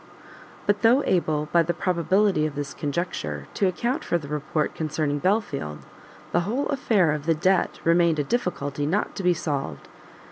But though able, by the probability of this conjecture, to account for the report concerning Belfield, the whole affair of the debt remained a difficulty not to be solved.